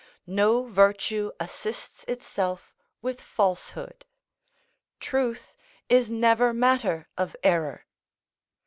No virtue assists itself with falsehood; truth is never matter of error.